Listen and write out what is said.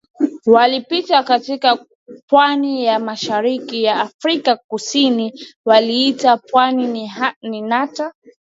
Walipita katika pwani ya mashariki ya Afrika Kusini waliiita pwani hii Nata